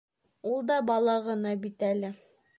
Ул да бала ғына бит әле.